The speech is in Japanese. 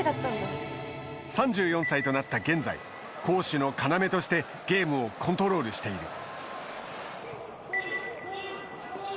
３４歳となった現在攻守の要としてゲームをコントロールしている。